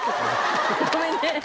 ごめんね。